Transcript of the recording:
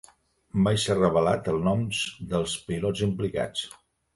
Mai s'ha revelat els noms dels pilots implicats.